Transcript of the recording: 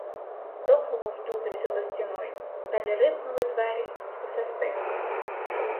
Довго вовтузився за стіною, далі рипнули двері й усе стихло.